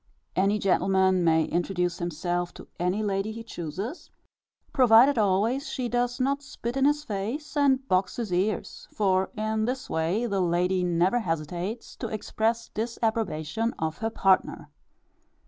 Any gentleman may introduce himself to any lady, he chooses, provided always she does not spit in his face, and box his ears; for, in this way, the lady never hesitates to express disapprobation of her partner.